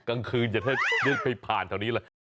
กลางคืนจะแทบไปผ่านแถวนี้แหละ